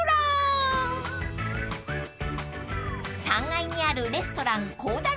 ［３階にあるレストラン］